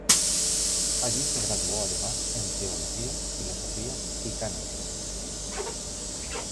Allí se graduó además en Teología, Filosofía y Cánones.